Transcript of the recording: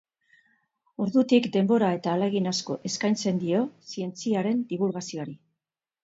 Ordutik denbora eta ahalegin asko eskaintzen dio zientziaren dibulgazioari.